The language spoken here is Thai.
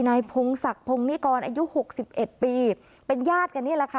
นายพงศรักพงษ์นี่ก่อนอายุหกสิบเอ็ดปีเป็นญาติกันนี้แหละค่ะ